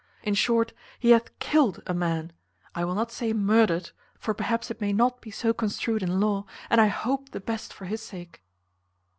In short he hath killed a man; I will not say murdered for perhaps it may not be so construed in law, and I hope the best for his sake."